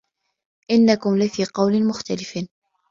إِنَّكُم لَفي قَولٍ مُختَلِفٍ